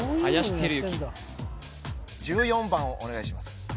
林輝幸１４番をお願いします